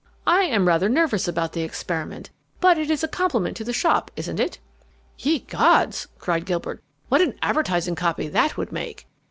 I am rather nervous about the experiment, but it is a compliment to the shop, isn't it?" "Ye gods," cried Gilbert, "what advertising copy that would make!"